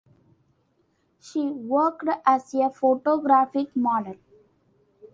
She worked as a photographic model.